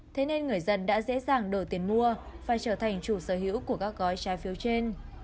thế nên người dân đã dễ dàng đổi tiền mua phải trở thành chủ sở hữu của các gói trái phiếu trên